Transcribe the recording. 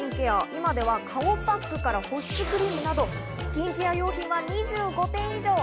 今では顔パックから保湿クリームなど、スキンケア用品は２５点以上。